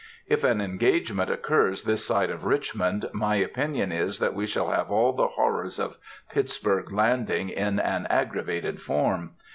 If an engagement occurs this side of Richmond, my opinion is that we shall have all the horrors of Pittsburg Landing in an aggravated form.